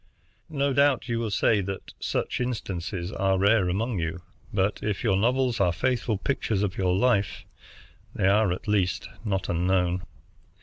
No doubt you will say that such instances are rare among you, but if your novels are faithful pictures of your life, they are at least not unknown.